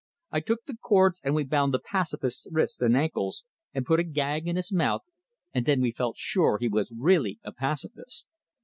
I took the cords, and we bound the "pacifist's" wrists and ankles, and put a gag in his mouth, and then we felt sure he was really a pacifist.